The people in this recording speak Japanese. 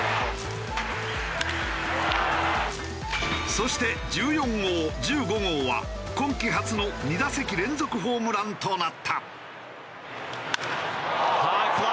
そして１４号１５号は今季初の２打席連続ホームランとなった。